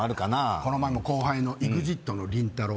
この前も後輩のＥＸＩＴのりんたろー。